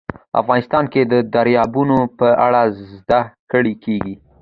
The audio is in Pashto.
افغانستان کې د دریابونه په اړه زده کړه کېږي.